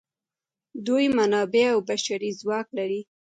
دوی منابع او بشري ځواک لري.